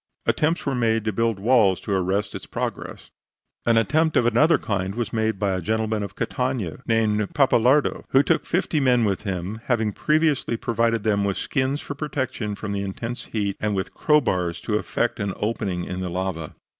Attempts were made to build walls to arrest its progress. An attempt of another kind was made by a gentleman of Catania, named Pappalardo, who took fifty men with him, having previously provided them with skins for protection from the intense heat and with crowbars to effect an opening in the lava.